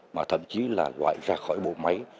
mà thậm chí là loại ra khỏi bộ máy